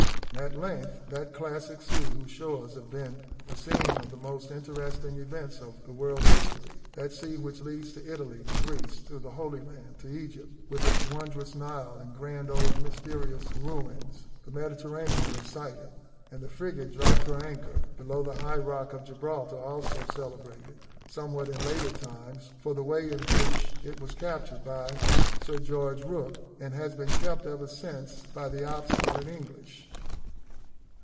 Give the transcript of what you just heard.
At length that classic sea, whose shores have been the scene of the most interesting events of the world's history that sea which leads to Italy, to Greece, to the Holy Land, to Egypt, with its wondrous Nile and grand old mysterious ruins the Mediterranean, was sighted; and the frigate dropped her anchor below the high rock of Gibraltar, also celebrated, somewhat in later times, for the way in which it was captured by Sir George Rooke, and has been kept ever since by the obstinate English.